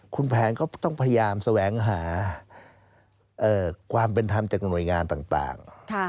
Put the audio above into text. คุณแผนก็ต้องพยายามแสวงหาความเป็นธรรมจากหน่วยงานต่าง